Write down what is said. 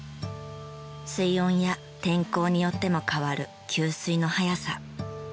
水温や天候によっても変わる吸水の速さ。